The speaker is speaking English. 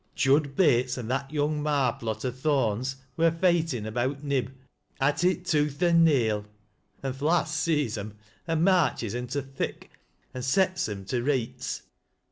Jud Bates and that young mai plot o' Thorme's wur f eightin about Nib — at it tooth and nail — an' th lass sees 'em, an' marches into th' thick, an' sets 'em to reets.